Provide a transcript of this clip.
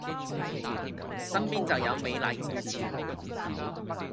身邊就有美麗故事